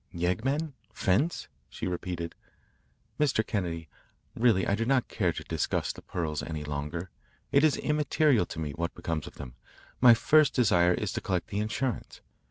'" "Yeggmen 'fence'?" she repeated. "Mr. Kennedy, really I do not care to discuss the pearls any longer. It is immaterial to me what becomes of them. My first desire is to collect the insurance.